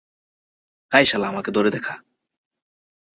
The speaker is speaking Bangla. আই শালা আমাকে ধরে দেখা!